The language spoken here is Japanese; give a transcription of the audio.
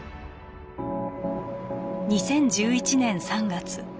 ２０１１年３月。